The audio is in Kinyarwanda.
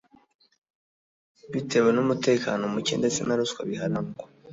bitewe n’umutekano muke ndetse na ruswa biharangwa